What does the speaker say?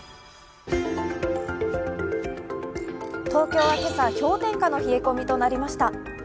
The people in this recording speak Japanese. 東京は今朝、氷点下の冷え込みとなりました。